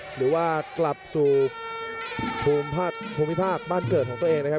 หรือว่ากลับสู่ภูมิภาคภูมิภาคบ้านเกิดของตัวเองนะครับ